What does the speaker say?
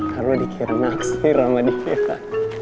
ntar lo dikira naksih sama dia